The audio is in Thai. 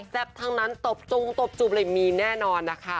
แจบทั้งนั้นตบจุบเลยมีแน่นอนนะคะ